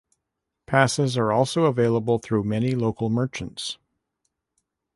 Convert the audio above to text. Passes are also available through many local merchants.